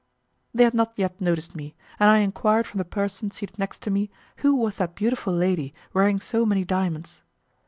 They had not yet noticed me, and I enquired from the person seated next to me who was that beautiful lady wearing so many diamonds.